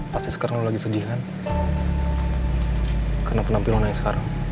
pas lo kabur semalam lo udah ngomongin orang lain gak